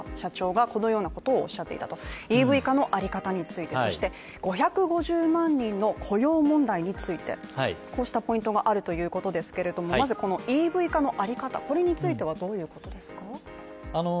その中でその豊田社長がこのようなことをおっしゃっていたとＥＶ化のあり方について、そして５５０万人の雇用問題についてこうしたポイントがあるということですけれども、まずこのＥＶ化のあり方それについてはどういうことですか。